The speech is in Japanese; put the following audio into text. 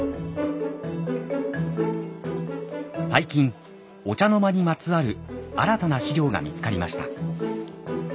最近御茶之間にまつわる新たな史料が見つかりました。